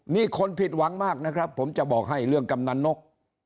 นี่คนผิดหวังมากนะครับผมจะบอกให้เรื่องกำนันนก